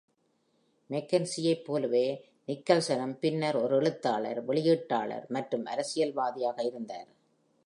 மெக்கென்சியைப் போலவே, நிக்கல்சனும் பின்னர் ஒரு எழுத்தாளர், வெளியீட்டாளர் மற்றும் அரசியல்வாதியாக இருந்தார்.